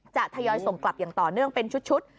ทยอยส่งกลับอย่างต่อเนื่องเป็นชุด